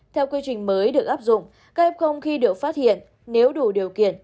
theo quy trình mới được áp dụng các f khi được phát hiện nếu đủ điều kiện